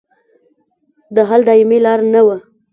د حل دایمي لار نه وه.